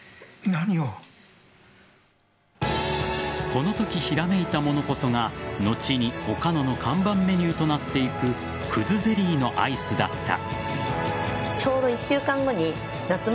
このときひらめいたものこそが後にをかのの看板メニューとなっていく葛ゼリーのアイスだった。